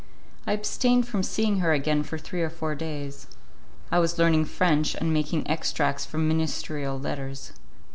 I abstained from seeing her again for three or four days. I was learning French, and making extracts from ministerial letters.